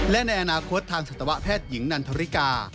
และในอนาคตทางสัตวแพทย์หญิงนันทริกา